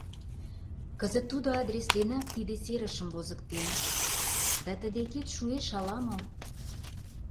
Кызыт тудо адрес денак тиде серымашым возыктем, да тый декет шуэш ала-мо?..